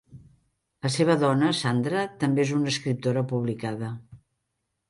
La seva dona, Sandra, també és una escriptora publicada.